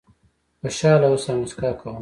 خوشاله اوسه او موسکا کوه .